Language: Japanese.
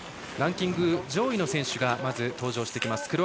ランキング上位の選手がまず、登場してきます。